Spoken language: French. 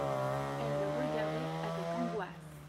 Elle le regardait avec angoisse.